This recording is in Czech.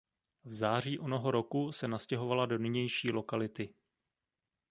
V září onoho roku se nastěhovala do nynější lokality.